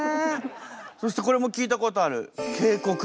そしてこれも聞いたことある。